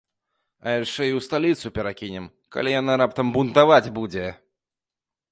А яшчэ і ў сталіцу перакінем, калі яна раптам бунтаваць будзе.